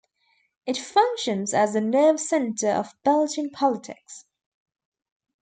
It functions as the nerve center of Belgian politics.